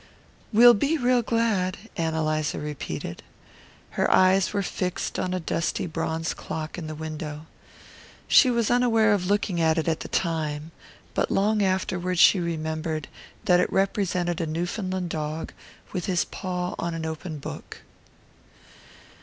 "We'll be real glad," Ann Eliza repeated. Her eyes were fixed on a dusty bronze clock in the window. She was unaware of looking at it at the time, but long afterward she remembered that it represented a Newfoundland dog with his paw on an open book.